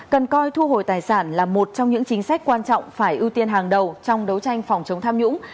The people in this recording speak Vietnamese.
cần coi thu hồi tài sản là một trong những chính sách quan trọng phải ưu tiên hàng đầu trong đấu tranh phòng chống tham nhũng